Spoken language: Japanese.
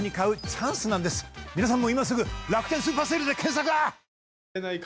皆さんも今すぐ「楽天スーパーＳＡＬＥ」で検索！